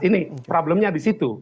ini problemnya disitu